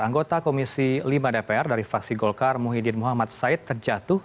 anggota komisi lima dpr dari fraksi golkar muhyiddin muhammad said terjatuh